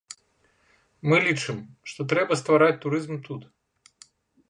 Мы лічым, што трэба ствараць турызм тут.